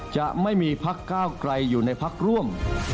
จะไม่มีพักก้าวไกลอยู่ในพักร่วม